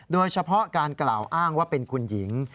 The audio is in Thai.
โดยเฉพาะการกล่าวอ้างว่าเป็นคุณหญิง